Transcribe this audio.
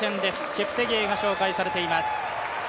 チェプテゲイが紹介されています。